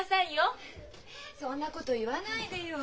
そんなこと言わないでよ。